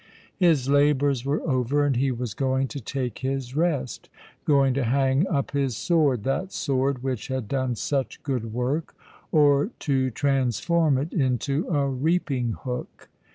His labours were over, and he was going to take his rest, going to hang up his sword, that sword which had done such good work, or to transform it into a reaping hook.